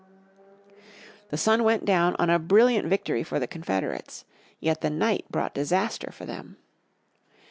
The sun went down on a brilliant victory for the Confederates. Yet the night brought disaster for them.